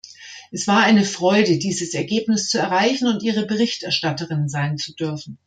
Es war eine Freude, dieses Ergebnis zu erreichen und Ihre Berichterstatterin sein zu dürfen.